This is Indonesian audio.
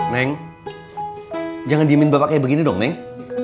neng jangan diemin bapak kayak begini dong neng